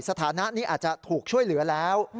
สถานะนี้อาจจะถูกช่วยเหลือแล้ว